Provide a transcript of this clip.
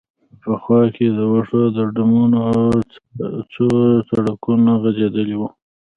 په خوا کې د وښو ډمونه، څو سړکونه غځېدلي و.